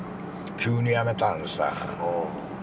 急にやめたんですわ。